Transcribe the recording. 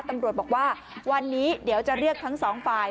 ตำรวจบอกว่าวันนี้เดี๋ยวจะเรียกทั้งสองฝ่าย